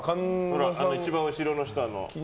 一番後ろの人。